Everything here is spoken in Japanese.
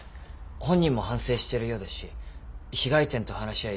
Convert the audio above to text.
本人も反省してるようですし被害店と話し合い